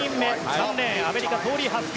３レーン、アメリカトーリー・ハスク。